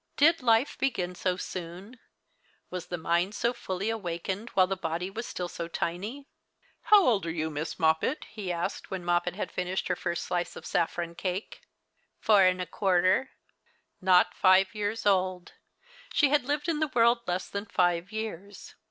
Did life beffin so soon ? Was the mind so fully awakened while the body was still so tiny ?" How old are you, Mistress Moppet ?" he asked, when Moppet had finished her first slice of saffron cake. " Four and a quarter." Not five years old. She had lived in the world less than five years.